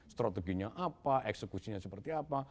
strateginya apa eksekusinya seperti apa